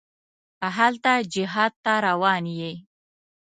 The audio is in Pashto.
هلته جهاد ته روان یې.